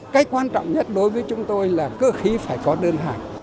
cái quan trọng nhất đối với chúng tôi là cơ khí phải có đơn hàng